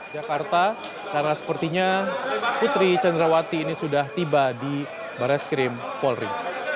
jakarta karena sepertinya putri cendrawati ini sudah tiba di barat skrim polri